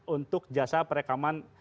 untuk jasa perekaman